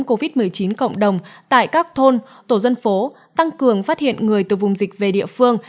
covid một mươi chín cộng đồng tại các thôn tổ dân phố tăng cường phát hiện người từ vùng dịch về địa phương